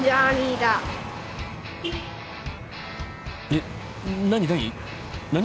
えっ何何？